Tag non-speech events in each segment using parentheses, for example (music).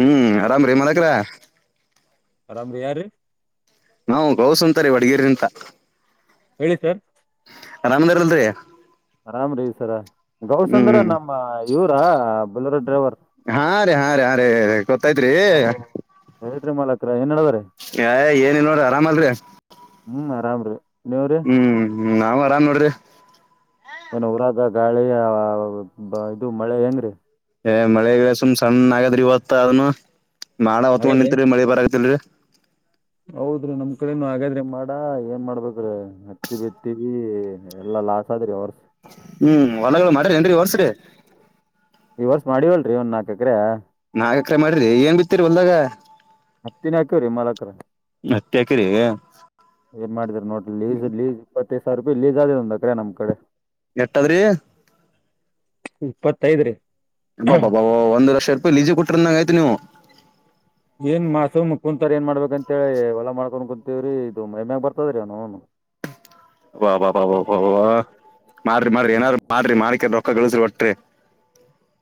ಹ್ಮ್ ಆರಾಮ್ ರೀ ಮಲಕ್ರ ಅರಾಮ ಯಾರ ನಾ ಗೌಸ್ ಅಂತರಿೀ ವಡಗೇರಿಂತ ಹೇಳಿ ಸರ್ ರರಾಮಂದಾರ್ಲ್ರಿ ಆರಾಮ್ ರೀ ಸರ ಗೌಸ್ ಅಂದ್ರ ಹ್ಮ್ ನಮ್ಮ ಇವರ ಬಲ್ಲರ ಡ್ರೈವರ್ ಹಾ ರೀ ಹಾ ರೀ ಹಾ ರೀ ಗೊತ್ತೈತ್ರಿ ಹೇಳ್ರಿ ಮಾಲಕರ ಏನ್ ನಡವಾರೆ ಯ ಏನಿನ್ ನೋಡ್ರಿ ಆರಾಮ ಅಲ್ರರಿ ಹ್ಮ್ ಆರಾಮ್ರೀ ನೀವ್ರ ಹ್ಮ್್ ನಾವ್ ಆರಾಮ್ ನೋಡ್ರಿ ಏನ್ ಊರಾದ ಗಾಳಿ ಇದು ಮಳೆ ಹೆಂಗ್ರೀ ಏ ಮಳೆ ಸುಮ್ ಸಣ್ಣ ಆಗದ್ರಿ ಇವತ್ತ ಅದನು ಮಾಡ ಹೊತ್ಕೊಂಡ್ ಹಾಗಾದ್ರಿ ನಿಂತತ್ರಿ ಮಳಿ ಬರತಿಲ್ರಿ ಹೌದ್ರಿ ನಮ್ ಕಡೆನುೂ ಹಾಗಗಾದ್ರೆ ಮಾಡ ಏನ್ ಮಾಡ್ಬೇಕ್ರ ಹತ್ತಿ ಬಿತ್ತವಿ ಎಲ್ಲಾ ಲಾಸ್ಟ್ ಸದರಿ ಅವ್ರ ಹ್ಮ್ ಹೊಲಗ ಮಾಡ್ರಿ ಅನ್ರಿ ಹೊರ್ಸ್ರಿ ಈ ವರ್ಷ ಮಾಡಿವವಲ್ರಿ ಒಂದ್ ನಾಲ್ಕ್ರೆ ನಾಾಗ ಎಕರೆ ಮಾಡ್ರಿ ಏನ್ ಬಿಿರಿ ಹೊಲ್ದಾಗ ಹತ್ತಿನ ಹಾಕವ್ರೀ ಮಾಲ್ಕ್ರ ಹತ್ತಿ ಹಾಕಿರಿ ಏನ್ ಮಾಡಿದ್ರ ನೋಡಿ ಲೀಸ್ ಲೀಸ್ ಇಪ್ಪೈದು ಸಾವಿ ರೂಪಾಯಿಲ್ಲಿಸ್್ ಆದದೆ ಒಂದ ಅ್ರಡೆ ನಮ್ಮ ಕಡೆ ಎಟ್ಟದ್ರಿ ಇಪ್ಪತ್ತೈದ್ರೀ ಹಾ ಬಾ ಒಂದು ಲಕ್ಷ ರೂಪಾಯಿ ಲಜ ಕೊಟ್ಟ್ರಂದಂಗ ಆ್ತು ನೀವು ಏನ್ ಮಾಸು ಕುಂತಾರ ಏನ್ ಮಾಡ್ಬೇಕ ಅಂತೇಳಿ ಹೊಲ ಮಾಡ್ಕೊಂಡು ಕುಂತೀವ್ರೀ ಇದು ಮೈಮ್ಯಾಗ ಬರ್ತದ್ರೀ ಅವ್ನುನು ವಾ ಬ ಬ ವ ಬ್ ಮಾಡ್ರಿ ಮಾಡ್ರಿ ಹ್ಮ್ ಏನಾರು ಮಾಡ್ರಿ ಮಾಡ್ಕ ರೊಕ್ಕ ಗಳಸ್ರಿ ಒಟ್ರಿ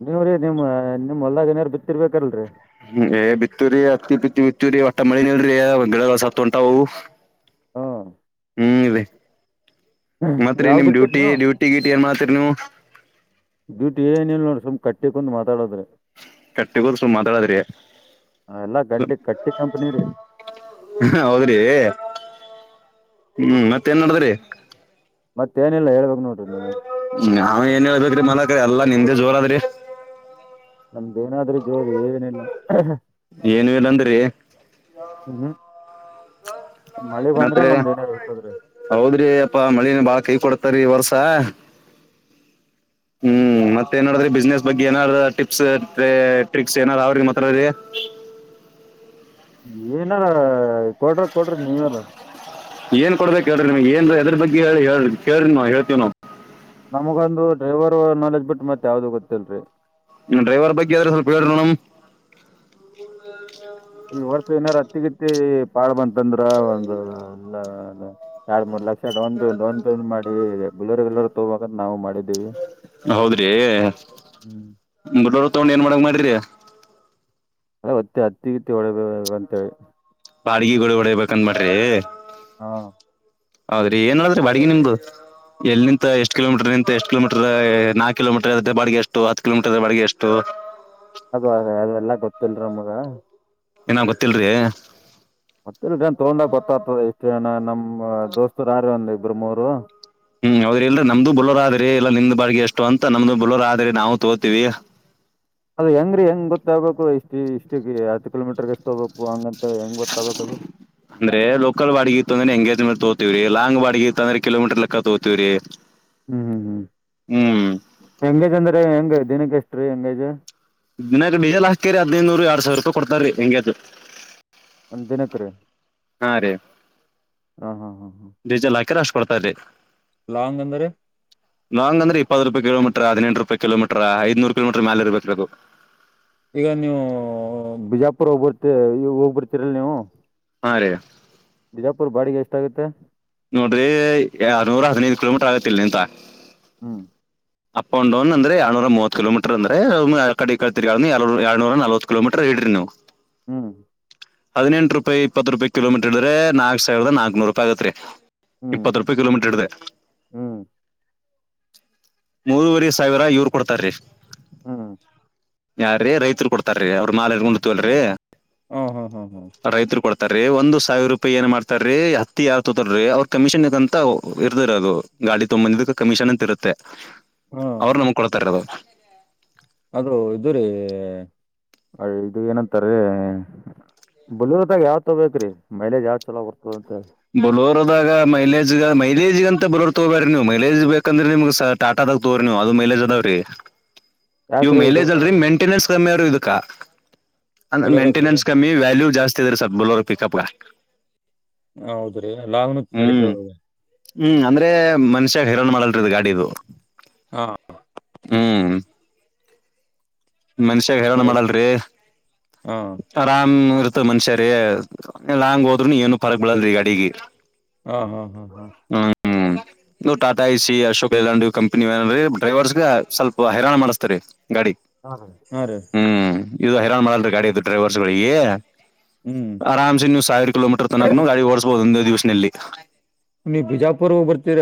ನೀವ್ರೀ ನಿಮ್ಮ ನಿಮ್ ಹೊದಾಗ ನಯಾರ ಬಿತ್ತಿರ್ಬೇಕಲ್ರರಿ ಹ್ಮ್ ಏ ಬಿತ್ತೂರಿ ಹತ್ತಿ ಬಿತ್ತಿ ಬಿತ್ತೂರಿ ಒಟ್ಟ ಮಳಿನೆ ಇಲ್ರೀ ಗಿಡಗಳು ಸತ್ ಉಂಟಾವು ಹ್ಮ್ ಹ್ಮ್ ಮತ್ರೀ ಯಾವಾಗ್ ನಿಮ್ ಬಿತ್ತಿರಿ ಡ್ಯೂಟಿ ನೀವು ಡ್ಯೂಟ್ ಟ್ಟಿ ಗಿಟ್ಟಿ ಏನ್ ಮಾಡ್ತಿರ್ ನೀವು ಡ್ಯೂಟಿ ಏನಿಲ್ ನೋಡ್ ಸ್ವಲ್ಪ ಕಟ್ಟಿ ಕುಂಡ್ ಮಾತಾಡುದ್ರೆ ಕಟ್ಟಿ ಹೋದ ಸ್ವಲ್ಪ್ ಮಾತಾಡದ್ರಿ ಆ, ಎಲ್ಲಾ ಗಡ್ಡಿ ಕಟ್ಟಿ ಕಂಪನಿ ರೀ ಅಹ್ಮ್ ಹೌದ್ರಿ ಹ್ಮ್ ಮತ್ತೇನ್ ಮಾಡದ್ರಿ ಮತ್ತೇನಿಲ್ಲ ಹೇಳ್ಬೇಕ್ ನೋಡ್ರಿ ನೀವು ಹ್ಮ್ ಅವ್ನ್ ಏನ್ ಹೇಳ್ಬೇಕ್ರೀ ಮನಕರಿ ಎಲ್ಲಾ ನಿಮ್ದೇ ಜೋರ ಆದ್ರಿ ನಮ್ದೇನಾದ್ರೂ ಜೋರು ಏನಿಲ್ಲ ಏನು ಇಲ್ಲ ಅಂದ್ರೆ ಹ್ಮ್ ಮಳೆ ಬಂದ್ರೆ ಮತ್ರಿ ನಮ್ದು ಏನ ಇರ್ತದ್ರೀ ಹೌದ್ರಿ ಯಪ್ಪಾ ಮಳಿನ ಬಾಳ್ ಕೈ ಕೊಡ್ತರೀ ಈ ವರ್ಸ ಹ್ಮ್ ಮತ್ತೆ ಏನಡ್ರೆ ಬಿಸ್ನೆಸ್ ಬಗ್ಗೆ ಏನಾರ ಟಿಪ್ಸ್ ರೇ ಟ್ರಿಕ್ಸ್ ಏನಾರ ಅವ್ರಿಗೆ ಮಾತಾಡರಿ ಏನಾರ ಕೊಡ್ರ ಕೊಡ್ರಿ ನೀವಲ್ಲ ಏನ್ ಕೊಡ್ಬೇಕ ಹೇಳ್ರಿ ನೀಮಗ ಏನ್ ಏದ್ರ ಬಗ್ಗೆ ಹೇಳ ಕೇಳಿರಿ ನಾವು ಹೇಳತ್ತಿವ ನಾವು ನಮಗ ಒಂದು ಡ್ರೈವರು ನಾಲೆಜ್ ಬಿಟ್ಟ ಮತ್ತ್ ಯಾವ್ದು ಗೊತ್ತಿಲ್ರಿ ಡ್ರೈವರ್ ಬಗ್ಗೆ ಆದ್ರ ಸ್ವಲ್ಪ ಹೇಳರಿ ನೋಡಮ್ಮ (inaudible) ಈ ವರ್ಷ ಏನಾರ ಅತ್ತಿಗಿತ್ತಿ ಪಾಡ ಬಂತಂದ್ರ ಒಂದ್ ಎಲ್ಲ ಎರಡ್ ಮೂರ್ lakh down pay down pay ಮಾಡಿ ಬುಲೆರೊ ಗಿಲ್ಲೆರೊ ತಗೋಬೇಕಂತ ನಾವು ಮಾಡಿದ್ದೀವಿ ಹೌದ್ರೀ ಹ್ಮ್ ಬುಲೆರೊ ತಗೊಂಡ್ ಏನ್ ಮಾಡಬೇಕಂತ ಮಾಡಿರಿ ಅ ಹೊತ್ತಿ ಹತ್ತಿಗಿತ್ತಿ ಹೊಡಿಬೇಕ್ ಅಂತೇಳ ಬಾಡ್ಗಿಗಳು ಹೊಡಿಬೇಕಂದ್ ಮಾಡ್ರಿ ಹಾ ಹೌದ್ರಿ ಏನ್ ಮಾಡದ್ರಿ ಬಾಡಗಿ ನಿಮ್ದು ಎಲ್ಲಿಂತ ಎಷ್ಟ ಕಿಲೋಮೀಟರ್ ನಿಂತ್ ಎಷ್ಟ ಕಿಲೋಮೀಟರ್ ನಾಕ್ ಕಿಲೋಮೀಟ್ರ್ ಆದ್ರ ಬಾಡ್ಗೆ ಎಷ್ಟು ಹತ್ತು ಕಿಲೋಮೀಟ್ರ್ ಆದ್ರ ಬಾಡ್ಗೆ ಎಷ್ಟು ಅದು ಅದೇ ಅದೆಲ್ಲಾ ಗೊತ್ತಿಲ್ರಿ ನಮ್ಗ ಇನ್ನಾ ಗೊತ್ತಿಲ್ರಿ ಗೊತ್ತಿಲ್ಲ ರೀ ತೊಗೊಂಡಾಗ್ ಗೊತ್ತಾಗ್ತದ ಎಷ್ಟ ಏನ ನಮ್ಮ ದೋಸ್ತರು ಯಾರ ಒಂದ್ ಇಬ್ಬರ ಮೂರು ಹ್ಮ್ ಅವದ ಇಲ್ಲರಿ ನಮ್ದು ಬುಲೂರ್ ಆದರೀ ಇಲ್ಲ ನಿಮ್ ಬಾಡ್ಗಿ ಎಷ್ಟು ಅಂತ ನಮ್ದು ಬುಲೂರ್ ಆದ್ರಿ ನಾವು ತೋತೀವಿ ಅದ ಹೆಂಗ್ರೀ ಹೆಂಗ್ ಗೊತ್ತಾಗ್ಬೇಕು ಇಷ್ಟ್ ಇಷ್ಟ ಹತ್ತು ಕಿಲೋಮೀಟರ್ಗೆ ಎಷ್ಟ್ ತಗೂಬೇಕು ಹಂಗಂತ ಹೆಂಗ್ ಗೊತ್ತಾಗ್ಬೇಕ್ ಅದು ಅಂದ್ರೆ ಲೋಕಲ್ ಬಾಡಿಗಿ ಇತ್ತು ಅಂದ್ರೆ ಎಂಗೇಜ್ ಮ್ಯಾಗ ತೋಗೋತೀವಿರೀ ಲಾಂಗ್ ಬಾಡಿಗ ಇತ್ತಂದ್ರ ಕಿಲೋಮೀಟರ್ ಲೆಕ್ಕ ತೋಗೋತೀವ್ರಿ ಹ್ಮ್ ಹ್ಮ್ ಹ್ಮ್ ಹ್ಮ್ ಹೆಂಗೇಜ್ ಅಂದ್ರೆ ಹೆಂಗ ದಿನಕ್ಕ ಎಷ್ಟ್ ರೀ ಹೆಂಗೇಜ್ ದಿನಕ್ಕ ಡೀಸೆಲ್ ಹಾಕ್ತಿರ ಅದುನ್ನು (unintelligible) ಎರಡ್ ಸಾವ್ರುಪಾಯ್ ಕೊಡ್ತ ರೀ ಹೆಂಗೆ (unintelligible) ಒಂದ್ ದಿನಕ್ ರೀ ಹಾ ರೀ ಹಾಂ ಹಾಂ ಹಾಂ ಹಾಂ ಡೀಸೆಲ್ ಹಾಕಿರ ಅಷ್ಟ್ ಕೊಡ್ತಾರೀ ಲಾಂಗ್ ಅಂದರ ಲಾಂಗ್ ಅಂದ್ರ ಇಪ್ಪತ್ ರೂಪಾಯಿ ಕೀಲೋಮೀಟರ್ ಹದಿನೆಂಟ್ ರೂಪಾಯ್ ಕಿಲೋಮೀಟ್ರ ಐದ್ ನೂರ್ ಕಿಲೋಮೀಟ್ರು ಮ್ಯಾಲ್ ಇರಬೇಕರೀ ಅದು ಈಗ ನೀವೂ ಬಿಜಾಪುರ್ ಹೋಗ್ಬರ್ತಿರ್ ಹೋಗ್ಬಿರ್ತೀರಿಲ್ ನೀವು ಹಾ ರೀ ಬಿಜಾಪುರ್ ಬಾಡಿಗೆ ಎಷ್ಟಾಗುತ್ತೆ ನೋಡ್ರಿ ಆ ನೂರ ಹದಿನೈದ ಕಿಲೋಮೀಟ್ರ್ ಆಗುತ್ತ ಇಲ್ ನಿಂತ ಹ್ಮ್ ಅಪ್ ಅಂಡ್ ಡೌನ್ ಅಂದ್ರೆ ಎರಡ ನೂರ ಮೂವತ್ ಕಿಲೋಮೀಟ್ರ್ ಅಂದ್ರೆ ಮಾ ಆಕಡಿ ಈಕಡಿ ತಿರ್ಗಾಡಿ ಎರಡ ನೂರ ಎರಡು ನೂರ ನಲವತ್ ಕಿಲೋಮೀಟ್ರ್ ಹಿಡಿರಿ ನೀವು ಹ್ಮ್ ಹದಿನೆಂಟ್ ರುಪಾಯಿ ಇಪ್ಪತ್ತ ರೂಪಾಯ್ ಕಿಲೋಮೀಟ್ರು ಹಿಡದ್ರೆ ನಾಕ್ ಸಾವಿರದ ನಾಕ್ನೂರೂಪಾಯಿ ಆಗತ್ರಿ ಹ್ಮ್ ಇಪ್ಪತ್ತ ರೂಪಾಯಿ ಕಿಲೋಮೀಟ್ರ್ ಹಿಡ್ದೆ ಹ್ಮ್ ಮೂರುವರಿ ಸಾವಿರ ಇವ್ರು ಕೊಡ್ತಾರೀ ಹ್ಮ್ ಯಾರೀ ರೈತ್ರು ಕೊಡ್ತಾರ್ ರೀ ಅವ್ರು (unintelligible) ಹು ಹು ಹು ಹು ರೈತರ ಕೊಡ್ತಾರೀ ಒಂದ್ ಸಾವಿರ ರೂಪಾಯಿ ಏನ್ ಮಾಡ್ತಾರೀ ಹತ್ತಿ ಯಾರ್ ತೋತಾರೀ ಅವ್ರ ಕಮಿಷನ್ ಇದ ಅಂತ ಇರತ್ತದರಿ ಅದು ಗಾಡಿ ತೊಂಬಂದಿದಕ್ಕ ಕಮಿಷನ್ ಅಂತ ಇರುತ್ತೆ ಹ್ಮ ಅವರು ನಮಗ ಕೊಡ್ತಾರಿ ಅದನ್ನ ಅದು ಇದುರೀ ಇದು ಏನಂತಾರೀ ಬುಲೂರದಾಗ ಯಾವದ ತೊಬೇಕ ರೀ ಮೈಲಜ್ ಯಾವ್ ಚಲೋ ಬರ್ತದ ಅಂತೆ ಬಲೋರ್ದಾಗ ಮೈಲೇಜ್ಗ ಮೈಲೇಜ್ಗಂತ ಬಲೋರ್ ತಗೋಬೇಡರಿ ನೀವು ಮೈಲೇಜ್ ಬೇಕಂದ್ರೆ ನಿಮ್ಗ್ ಸರ್ ಟಾಟದಾಗ ತೋರಿ ನೀವು ಅದು ಮೈಲೆಜ ಅದಾವ್ರಿ ಇವು ಯಾಕ್ರಿ ಇದು ಮೈಲೇಜ್ ಅಲ್ರಿ ಮೇಂಟೆನೆನ್ಸ್ ಕಮ್ಮಿ ಆವರೀ ಇದಕ್ಕ ಅಂದ್ರೆ ಬಲೂರಗ್ರಿ ಮೇಂಟೆನೆನ್ಸ್ ಕಮ್ಮಿ ವ್ಯಾಲ್ಯೂ ಜಸ್ ಇದದೆೀ ಸರ್ ಬಲೂರ್ ಪಿಕಪ್ಗ ಹೌದ್ರೀ ಅ ಲ್ುೂ ಹ್ಮ್ ನಡಿತತದ ಹ್ಮ್ ಅಂದ್ರೆ ಮನುಷ್ಯಾಗ ಹೈರಾಣ್ ಮಾಡಲ್ರಿ ಇ ಗಾಡಿದು ಹಾ ಹ್ಮ್ ಮನ್ಶಾಗ ಹೇರೋಣ ಹಾ ಮಾಡಲ್ರೀ ಹಾ ತರಾಮ್ ಇರ್ತ ಮನುಷ್ಯರೇ ಹ್ಯಾಂಗ ಹೋದ್ರೂನು ಏನು ತರಕ್ ಬಿಡಲ್ರಿ ಗಾಡಿಗಿ ಹಾ ಹಾ ಹಾ ಹಾ ಹ ಹ್ಮ್ ನೀವ್ Tata A C Ashok Leyland company ಅಲ್ರಿ ಡ್ರೈವರ್ಸ್ ಗೆ ಸ್ವಲ್ಪ ಹೈರಾಣ ಮಾಡಿಸ್ತಾ ರೀ ಗಾಡಿ ಹಾ ಹಾ ರೀ ಹ್ಮ್ ಇದು ಹೈರಾಣ ಮಾಡಲ್ೀ ಗಾಡಿ್ದು ಡ್ರೈವರ್ಸ್ಗಳಿಗೆ ಹ್ಮ್ ಆರಾಮ್ಸ ನೀವು ಸಾವಿರ ಕಿಲೋಮೀಟರ್ ತನಕನು ಗಾಡಿ ಓಡಸ್ಬಹುದು ಒಂದೇ ದಿವಸಲ್ಲಿ ನೀ ಬಿಜಾಪುರ್ ಹೋಗ್ ಬರ್ತೀರ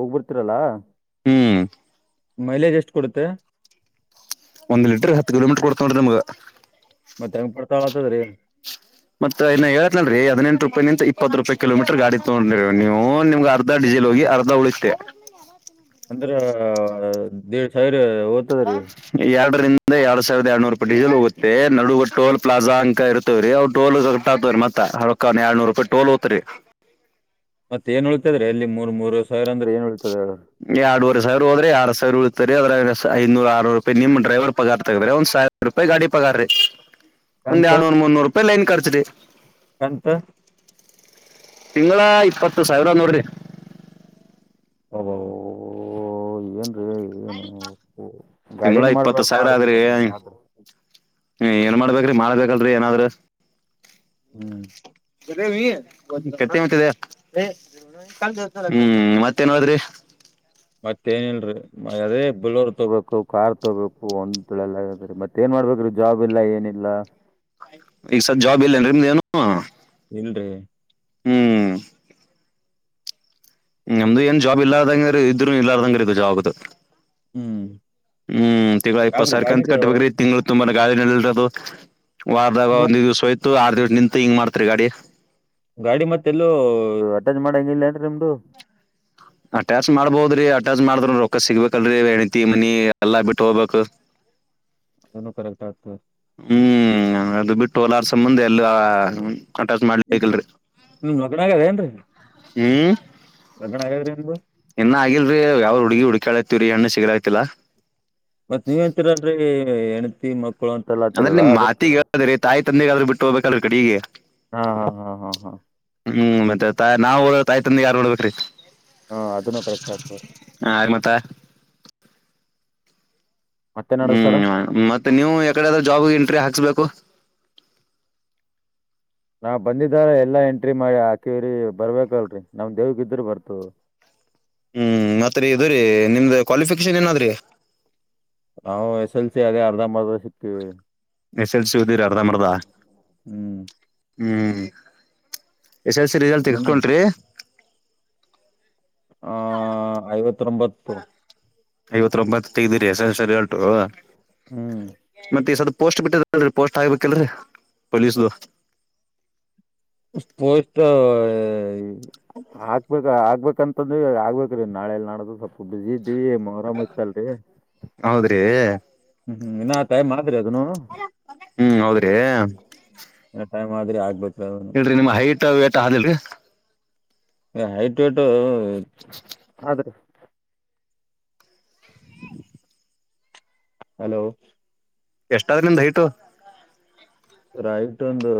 ಹೋಗ್ಬರ್ತೀರಲ್ಲಾ ಹ್ಮ್ ಮೈಲೇಜ್ ಎಷ್ಟ್ ಕೊಡುತ್ತೆ ಒಂದು ಲೀಟರ್ ಹತ್ತು ಕಿೋಮೀಟರ್ ಕೊಡ್ಕೊಂಡ್ರಿಮಗ್ ಮತ್ತೆ ಹೆಂಗ್ ಪಡ್ತಾ ಹತದ ರೀ ಮತ್ತ ಇೇತನಲ್ರರಿ ಹದಿನಂು ರೂಪಾಯಿ ಇಪ್ಪತ್ತು ರೂಪಾಯಿಲೋಮೀರ್ ಗಾ ತೋೊಂಡ್ರಿ ನೀವು ನಿಮ್ ಅರ್ ಡಿಸೆಲ್ ಹೋಗಿ ಅರ್ಧ ಉಳಿಸತತೆ ಅಂಡ್ರಾ ಡಿಡ್ ಸಾವಿರ ದ ಎರಡರಿಂದ ಎರಡ್ ಸಾವಿರದ ಎರಡ್ನೂರು ರೂಪಾಯಿ ಡೀಸೆಲ್ ಹೋಗುತ್ತೆ ನಡುುವ ಟೋಲ್ ಪ್ಲಾ ಅಂಕ ಇರುತ್ತೆ ವರಿ ಅವ್ ಟೋಲ್ ಕಟ್ಟಾತವರಿ ಮತ್ತ ಹ ಹೊಳಕ ಎಡ್ನೂರು ರೂಾಯಿ ಟೋಲ್ ತ್ರಿ ಮತ್ತ ನ್ ಉಳ್ತಿದ್ರ ಅಲ್ಲಿ ಮೂ ಸಾವಿರ ಅಂದ್ರ ಏನ್ ಉಳ್ಿತದ ಹೇಳ ಎರಡ್ೂವ ಸಾವಿರ ಹೋದ್ರೆ ಆಡ್ ಸಾವಿರ ಉ ಇತ ಅದ್ರ ಐನೂರ ಆರೂರು ರೂಾಯಿ ನಿಮ ಡ್ರೈವರ್ ಪಗಾರ್ ತಗದಂದ ಸಾವಿರ ರೂಪಾಯಿ ಗಾಡಿ ಪಗಾರ ರೀ ಒಂದ್ ಕಂತ ಯಡ್ನೂರ್ ಮುನ್ನೂರು ರೂಪಾಯಿ ಲೈನ್ ಖರ್ಚಿ ಕಂತ ತಿಂಗಳ ಇಪ್ಪತ್ತು ಸಾವಿರ ನೋಡ್ರಿ ಹ ಏನ್ ತಿಂಗಳ ಗಾಡಿನೇ ಇಪ್ಪತ್ತು ಮಾಡ್ಬಾರ್ದ್ ಸಾವಿರ ಆದ್ರಿ ಮಾಡಿದ್ರಿ ಹಂಗಾದ್ರ ಹ ಏನ್ ಮಾಡ್ಬೇಕ್ರಿ ಮಾಡ್ಬೇಕಲ್ರಿ ಏಾದ್ರರು (inaudible) ತ್ತಿದೆ ಹ್ಮ ಮತ್ತೇನ್ ಹೋದ್ರಿ ಮತ್ತ ಏನಲ್ರರಿ ಮ ಅದೇ ಬಳ್ಳೋರ್ ತಗೋಬೇಕು ಕಾರ್ ತೊೋಬೇಕು ಒಂದಳೆಲ್ಲೀ ಮತ್ತ ಏನ್ ಮಾಡ್ಬೇಕ್ರೀ ಜಾಬ್ ಇಲ್ಲ ಏನಿಲ್ಲ ಈಗಸಲ್ ಜಾಬ್ ಇಲ್ಲೇನ್ರಿ ನಿಮ್ದ ಏನು ಇಲ್ರಿ ನಮ್ದು ಏನ್ ಜಾಬ್ ಇಲ್ಲಾರ್ದಂಗ ಇದ್ರು ಇಲ್ಲಾರ್ದಂಗ ಇದು ಜಾಬ್್ದ ಹ್ಮ್ ಹ್ಮ್ ತಿಂಗಳ ಇಪ್ಪತ್ ಯಾಕ್ರಿ ಸಾವಿರ ಕಂತ ಗಾಡಿಗೆ ಕಟ್ಬೇಕೇ್ರಿ ತಿಂಗಂಳ ತುಂಬಾನ ಗಾಳಿನಲ್ಲಿರದು ವಾರದಾಗ ಗಾ- ಒಂದಂದು ದಿವ್ಸ ಹೋ್ತು ಆರ್ ದಂಟಟ್ ನಿಂತು ಹಿಂಗ ಮಾಡ್ತರಿ ಗಾಡಿ ಗಾಡಿ ಮತ್ತೆಲ್ಲೂ ಅಟ್ಯಾಚ್ ಮಾಡಂಗ ಇಿಲ್ಲೇಏನ್ರಿ ನಿಮ್ದು ಅಟ್ಯಾಚ್ ಮಾಡ್ಬೋದ್ರಿ ಅಟ್ಯಾಚ್ ಮಾಡ್ರ ರೊಕ್ಕ ಸಿಗ್ಬೇಕಲ್ರರಿ ಹೆಂಡತಿ ಮನಿ ಎಲ್ಲಾ ಬಿಟ್ಟ ಹೋಗ್ಬೇಕಕ್ (inaudible) ಏನು ಕರೆಕ್ಟ್ ಆಗ್ತದೆ ಹ್ಮ್ ಅದು ಬಿಟ್ಟು ಹೊಲಾರ್ಸ ಮುಂದೆ ಎಲ್ಲ ಕಾಂಟ್ಯಾಕ್ಟ್ ಮಾಡ್ಲಿಕ್ಕಲ್ರರಿ. ಹ್ಮ್ ಮದ್ವಾಗದ ಏನ್ರೀ. ಹ್ಮ್ ಇನ್ನ ಆಗಿಲ್ರಿ ಯಾವ್ರು ಹುಡ್ಗಿ ಹುಡುಕಾಳೈತ್ತಿರಿ ಹೆಣ್ಣ ಸಿಗ್ಲಾತ್ತಿಲ್ಲ. ಮತ್ ನೀವ್ ಅಂತೀರಲ್ರೀ ಹೆಂಡತಿ ಮಕ್ಕಳು ಅಂದ್ರೆ ಅಂತಲ್ಲಾತ್ತರಲ್ಲಾ ನಿಮ್ ಅದ ಕೇಳ ಮಾತಿಗೆ ಹೇಳದ್ರಿ ತಾಯಿ ತಂದಿಗಾದ್ರು ಬಿಟ್ಟು ಹೋಗಬೇಕಲ್ಲ ಕಡೀಗೆ. ಹಾ ಹಾ ಹಾ ಹಾ ಹಾ ಹ್ಮ್ ಮತ್ತೆ ತಾಯ್ ನಾವು ಹೋದ್ರೆ ತಾಯಿ ತಂದೆ ಯಾರ್ ನೋಡ್ಬೇಕ್ರೀ. ಹಾ ಅದೆನೋ ಕರೆಕ್ಟ್ ಆಗ್ತದೆ. ಹ ಆ ಮತ್ತ? ಮತ್ತೆನದ ಸರ ಹ್ಮ್ ಮತ್ತೆ ನೀವು ಯಾಕಡೆದ್ರ ಜಾಬ್ಗೆ ಎಂಟ್ರಿ ಹಾಕ್ಸ್ಬೇಕು. ನಾವ್ ಬಂದಿದ್ದರ ಎಲ್ಲಾ ಎಂಟ್ರಿ ಮಾಡಿ ಹಾಕಿವ್ರಿ ಬರ್ಬೇಕಲ್ರರಿ ನಮ್ ದೇವ್ಗ ಇದ್ರರು ಬರ್ತದ. ಹ್ಮ್ ಮತ್ತೆ ಇದುರೀ ನಿಮ್ದ್ ಕ್ವಾಲಿಫಿಕೇಶನ್ ಏನದ್ರೀ? ನಾವು ಎಸ್ ಎಲ್ ಸಿ ಅದೇ ಅರ್ಧಂಬರ್ದ ಸಿಕ್ತಿವಿ. ಎಸ್ ಎಲ್ ಸಿ ಓದಿರಿ ಅರ್ಧ ಮರ್ದ ಹ್ಮ್ ಹ್ಮ್ ಎಸ್ ಎಲ್ ಸಿ ರಿಸಲ್ಟ್ ಅದ ತಗಸ್ಕೊಂಡ್ರಿ. ಆ ಐವತ್ತೊಂಬತ್ತು. ಐವತೊಂಬತ್ತು ತೆಗ್ದಿರಿ ಎಸ್ಸೆಲ್ಸಿ ರಿಸಲ್ಟು. ಹ್ಮ್ ಮತ್ತೆ ಈ ಸರ ಪೋಸ್ಟ್ ಬಿಟ್ಟದಲ್ರೀ ಪೋಸ್ಟ್ ಆಗ್ಬೇಕಲ್ರಿ ಪೊಲೀಸು. ಹೋಯ್ತು ಹಕ್ಬೇಕ ಹಾಗ್ಬೇಕಂತ (unintelligible) ಆಗ್ಬೇಕ್ರೀ ನಾಳೆಲ್ ನಾಡ್ದು ಸ್ವಲ್ಪ ಬಿಸಿ ಇದೀವಿ ಮೊಹರಮ್ ಐತಲ್ರೀ. ಹೌದ್ರೀ? ಹ್ಮ್ ಹ್ಮ್ ಇನ್ ಆ ಟೖಮಾದ್ರಿ ಅದನು ಹ್ಮ್ ಹೌದ್ರಿ ಟೈಮ್ ಆದ್ರೆ ಆಗ್ಬೇಕ್. ಹೇಳ್ರಿ ನಿಮ್ ಹೈಟ್ ವೇಟ್ ಆದಿಲ್ರಿ. ಏ ಹೖಟ್ ವೇಟ್ ಆದ್ರೀ. ಹಲೋ ಎಷ್ಟಾದ್ ನಿಂದ್ ಹೈಟು? ಐಯ್ ಷ್ಟೊಂದು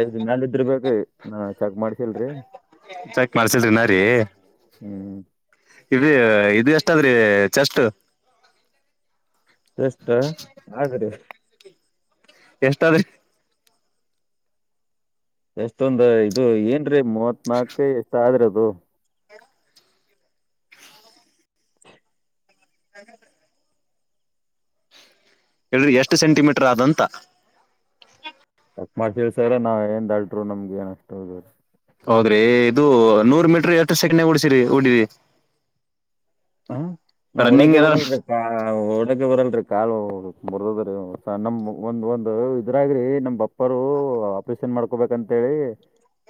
ಐದ್ನಲ್ ಇದ್ದಿರ್ ಬೇಕ್ರೀ ನಾ ಚೆಕ್ ಮಾಡ್ಸಿಲ್ರಿ. ಚ ಮಾಡ್ಸಿದಿಲ್ಲರೀ ಹ್ಮ್ ಇ ಇದು ಎಷ್ಟದ್ರಿ ಚೆಸ್ಟ್? ಎಷ್ಟ ಹಾಗ್ರೀ. ಎಷ್ಟಾದ್ರೆ ಎಷ್ಟೊಂದು ಇದು ಏನ್ರೀ ಮೂವತ್ ನಾಲ್ಕು ಎಷ್ಟ ಆದ್ರ ಅದು. ಹ ಹೇಳ್ರಿ ಎಷ್ಟು ಸೆಂಟಿಮೀಟರ್ ಆದಂತ. ಚೆಕ್ ಮಾಡ್ತಿ ಸರ ನಾವ್ ಏನ್ ಡಾಕ್ಟರು ನಮ್ಗೆ ಏನಷ್ಟದ. ಹೌದ್ರಿ ಇದು ನೂರ್ ಮೀಟರ್ ಎಷ್ಟು ಸೆಕಂಡ್ ಓಡ್ಸಿರಿ ಓಡಿ? ಹ ನಂಗ್ ರನ್ನಿಂಗ್ ಓಡಾಕ ಏನಾರ ಬರೋಲ್ರಪಾ. ಓಡಕ್ಕೆ ಬರಲ್ರಿ ಕಾಲು ಮುರದದ್ರಿ ನಮ ಒಂದ್ ಒಂದು ಇದ್ರಾಗ್ರಿ ನಮ್ ಪ್ಪರು ಆಪರೇಷನ್ ಮಾಡ್ಕೊಬೇಕಂತೇಳಿ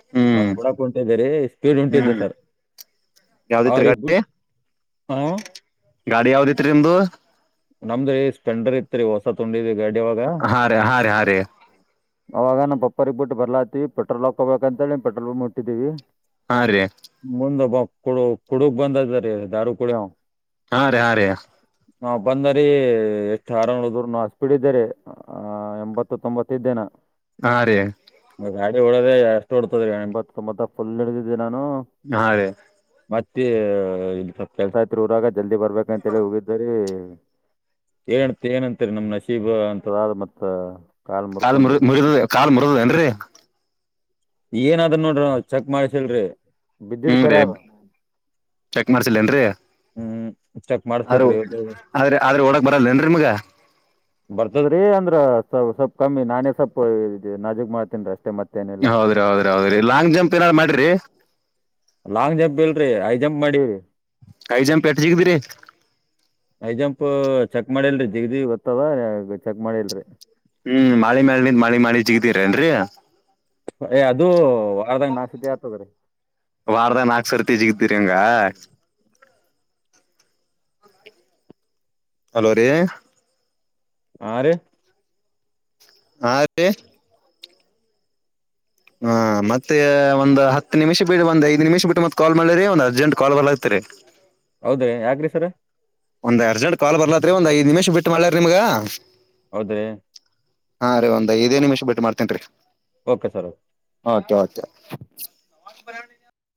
ಹ ಹ ಬುಡಕ ಉಂಟಿದ್ದರಿ ಸ್ಪೀಡ್ ಉಂಟಿದ್ದೆ ಹ್ಮ್ ಸರ್ ಯಾವ್ದಿತ್ರಿ ಅವ್ರಗ್ಬ ಗಾಡಿ ಗಾಡಿ ಯಾವದತ್ರರಿ ನಿಮ್ದು ನಮ್ದ್ರ ಸ್ಪೆಂಡರ್ ಇತ್ರಿ ಹೊಸ ತುೊಂಡಿದ ಗಾಡಿವಾಗ ಹಾ ರ ಹ ರ ಆವಾಗ ನಾವು ಪಪ್ಪರಿಗೆಗ್ ಬಿಟ್ಟ ಬರ್ಲಾತಿ ಪೆಟ್ರೋಲ್ ಹಾಕೋಬೇಕಂತೇಳಿ ಪೆ್ರೋಲ್ ಮುಟ್ಟಿದೀವಿ ಹಾ ರೀ ಮುಂದಬ ಕುಡ ಕುಡಕ್ ಬಂದ ಇದ ರೀ ದಾರ ಕುಡಿಯ ಹಾ ರೀ ಹಾ ರೀ ನಾವ್ ಬಂದರಿೀ ಎಷ್ಟು ಆರಾಮ್ಳ ದೂರ್ ನಾವ ಹಷ್ಟ ಬಿಿಡಿದರಿ ಹ ಎಂಬತ್ತು ತೊಂಬತ್ತಿದ್ದೇನ ಹಾ ರೀ ಗಾಡಿ ಓಡದ ಎಷ್ಟು ಹೊಡ್ತದೀ ಎಂಬತ್ ತೊಂಬತ್ತ ಫುಲ್ ಹಡಿದಿದ್ದಿ ನಾನು ಹಾ ಅ ರೇ ಮತ್ತೆ ಇ ಸ್ವಲ್ ಕೆಲ್ಸ ತ್ ಊರಾಗ ಜಲ್ದಿ ಬರ್ಬೇಕಂತೇಳಿ ಹೋಗಿದ್ದರಿ ಏ ಏನಂತರಿೀ ನಮ್ ನಶೀಬ ಅಂತದ ಮತ್ ಕಾಲ್ ಕಾಲ್ ಮುರ ಮುರ್ಕೊಂಡು ಮುರಿದ ಕಾಲ್ ಮುರಿದದೇಏನ್ರರಿ ಏನದ್ ನೋಡ್ರಿ ನಾವ್ ಚೆಕ್ ಮಾಡ್ಸಲ್ರರಿ ವಿಿದ್ಯುತ್ ಹ್ಮ್ ರೀ ಕ್ಯಾಸ ಚೆಕ್ ಹ್ಮ್ ಚೆಕ್ ಅ ಮಾಡಸ್ಬೇಕ್ರಿ ಇವತ್ತೇಳಿ ಆದ್ರೆ ಆದ್ರೆ ಒಳಕ್ ಬರಲ್ಲೇನ್ರಿ ಮಗ ಬರ್ತದ್ರೀ ಅಂದ್ರ ಸ್ ಸ್ವಲ್ಪ್ ಕಮ್ಮಿ ನಾನೇ ಸ್ವಲ್ಪ ನಜಕ್ ಮಾಡ್ತನ್ೀ ಅಷ್ಟೇ ಮತ್ತ ಹೌದ್ರಿ ಹೌದ್ರ ಹೌದ್ರಿ ಲಾಂಗ್ ಜಂಪ್ ಏನಾದ್ ಮಾಡ್ರಿ ಲಾಂಗ್ ಜಂಪ್ ಇಲ್ರರಿ ಹೈ ಜಂಪ್ ಮಾಡಿರಿ ಕೈ ಜಾ್ೆಟ್ಟ ಜಿಗಿದಿರಿ ಹೈ ಜಂಪ್ ಚೆಕ್ ಮಾಡಿಲ್ರಿ ದಿಗ ದಿಗ ಗೊತ್ತದ ಚೆಕ್ ಮಾಡಿಲ್ರಿ ಹ್ಮ್ ಮಾಳಿ ಮಳ ನಿ ಮಾಳಿ ಮಾಡಳಿ ಜಿಗ್ದಿರೇನ್ರರಿ ಏ ಅದು ವಾರದಾಗ ನಾಶತಿ ಆತೋಗ್ರೀ ವಾರದ ನಾಲ್ಕ್ ಸರ್ ತಜಿಗ್ದೀರಿ ಹಂಗ ಹಲೋ ರೀ ಹಾ ರೀ ಹಾಂ ರೀ ಹಾ ಮತ್ತೆ ಒಂದ್ ಹತ್ತು ನಿಮಿಷ ಬಿಟ್ಟ ಒಂದ್ ಐ್ ನಿಮಿಷ್ ಬಿಟ್ಟು ಮತ್ತ ಕಾಲ್ ಮಾಡಿರಿ ಒ್ ಅರ್ಜೆಂಟ್ ಕಾಲ್ ಬರ್ಲಾಗ್ತರಿ ಹೌದ್ರಿ ಯಾಕ್ರಿ ಸರ ಒಂದ್ ಅರ್ಜಂಟ್ ಕಾಲ್ ಬರ್ಲಾತ್ರಿ ಒಂದ್ಐ್ ನಿಮಿಷ ಬಿಟ್ಟು ಮಾಡ್್ಯಾರ ನಿಮಗ ಹೌದ್ರೀ ಹಾಂ ಒಂದ್ಐದೇ ನಿಮಿಷ ಬಿಟ್ಟಿ ಮಾಡ್ತೇನ್ ಓಕೆ ಸರ್ೆ ಓಕೆ ಓಕೆ